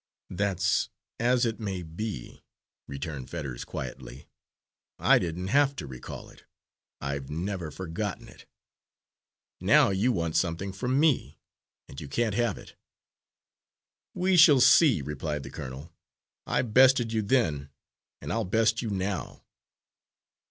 "That's as it may be," returned Fetters quietly. "I didn't have to recall it; I've never forgotten it. Now you want something from me, and you can't have it." "We shall see," replied the colonel. "I bested you then, and I'll best you now."